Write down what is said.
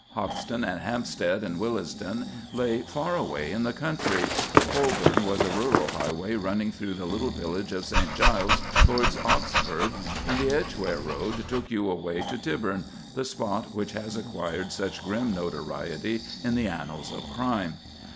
Hoxton and Hampstead and Willesden lay far away in the country; Holborn was a rural highway running through the little village of St. Giles's towards Oxford; and the Edgeware Road took you away to Tyburn, the spot which has acquired such grim notoriety in the annals of crime.